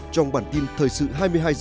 trong bản tin thời sự hai mươi hai h